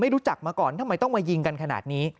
รู้จักมาก่อนทำไมต้องมายิงกันขนาดนี้